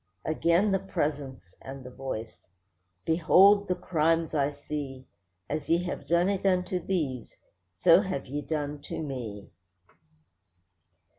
Again the Presence and the Voice: 'Behold the crimes I see, As ye have done it unto these, so have ye done to me.